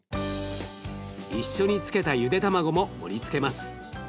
一緒に漬けたゆで卵も盛りつけます。